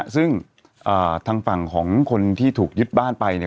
ซึ่งทางฝั่งของคนที่ถูกยึดบ้านไปเนี่ย